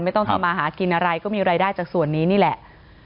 ต้องทำมาหากินอะไรก็มีรายได้จากส่วนนี้นี่แหละ